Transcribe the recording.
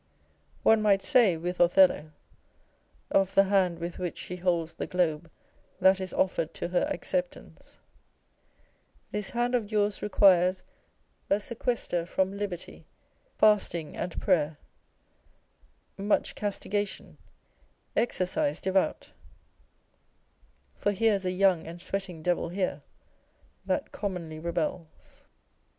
397 One might say, with Othello, of the hand with which she holds the globe that is offered to her acceptance â€" This hand of yours requires A sequester from liberty, fasting and prayer, Much castigation, exercise devout ; For here's a young and sweating devil here, That commonly rebels.